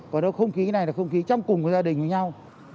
còn không khí này là không khí trong cùng gia đình với nhau